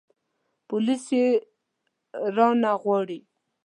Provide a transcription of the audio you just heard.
پوليس يې رانه غواړي.